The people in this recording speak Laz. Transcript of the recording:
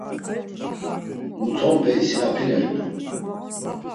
Mutonpe isinapinert̆u.